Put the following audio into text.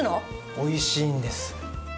おいしいんです。